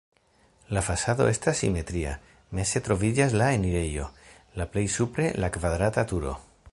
La fasado estas simetria, meze troviĝas la enirejo, la plej supre la kvadrata turo.